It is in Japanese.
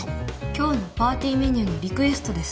今日のパーティーメニューのリクエストです。